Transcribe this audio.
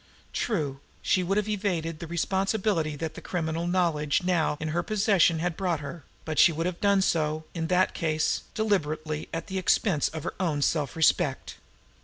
True, she would have evaded the responsibility that the criminal knowledge now in her possession had brought her; but she would have done so, in that case, deliberately at the expense of her own self respect.